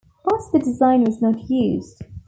But the design was not used.